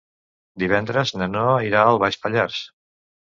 Divendres na Noa irà a Baix Pallars.